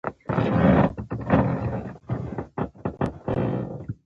دا کلا هم ډيره پخوانۍ ده